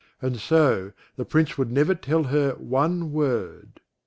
And so the Prince would never tell her one word.